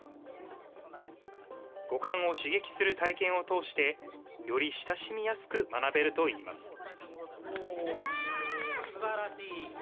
五感を刺激する体験を通して、より親しみやすく学べるといいます。